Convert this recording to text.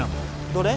どれ？